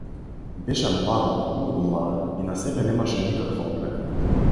Беше млада, многу млада, и на себе немаше никаква облека.